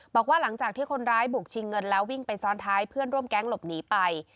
บอกว่าหลังจากที่คนร้ายบุกชิงเงินแล้ววิ่งไปซ้อนท้ายเพื่อนร่วมแก๊งหลบหนีไป